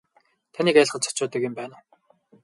Таныг айлгаж цочоодог юм байна уу.